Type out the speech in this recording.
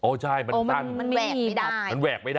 โอ้ใช่มันตั้งแว่กไม่ได้พอไม่ค่อยเห็นนะครับ